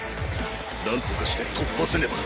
なんとかして突破せねば。